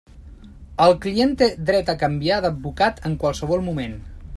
El client té dret a canviar d'advocat en qualsevol moment.